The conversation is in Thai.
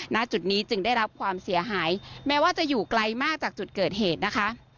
ณจุดนี้จึงได้รับความเสียหายแม้ว่าจะอยู่ไกลมากจากจุดเกิดเหตุนะคะ